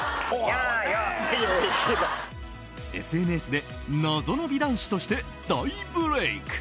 ＳＮＳで謎の美男子として大ブレーク。